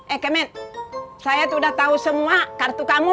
eh kemen saya tuh udah tahu semua kartu kamu